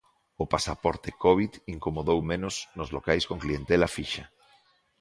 O pasaporte covid incomodou menos nos locais con clientela fixa.